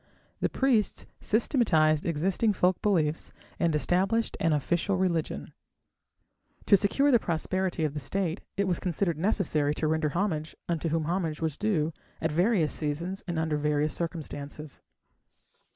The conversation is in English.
The priests systematized existing folk beliefs and established an official religion. To secure the prosperity of the State, it was considered necessary to render homage unto whom homage was due at various seasons and under various circumstances.